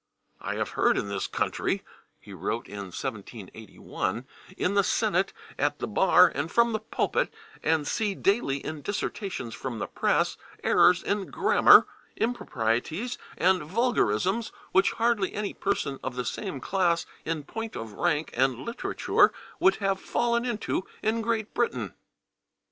"I have heard in this country," he wrote in 1781, "in the senate, at the bar, and from the pulpit, and see daily in dissertations from the press, errors in grammar, improprieties and vulgarisms which hardly any person of the same class in point of rank and literature would have fallen into in Great Britain."